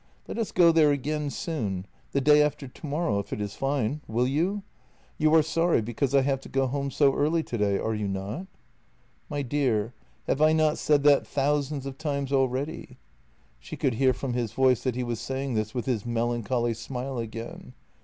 Let us go there again soon — the day after to morrow if it is fine — will you? You are sorry because I have to go home so early today, are you not? "" My dear, have I not said that thousands of times already? " She could hear from his voice that he was saying this with his melancholy smile again.